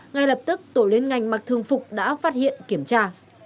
ngay lập tức tổ liên ngành mặc thường phục đã phát hiện kiểm tra